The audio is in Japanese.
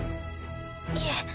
いえ。